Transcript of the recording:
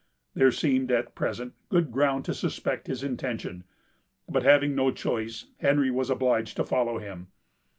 There seemed at present good ground to suspect his intention; but, having no choice, Henry was obliged to follow him.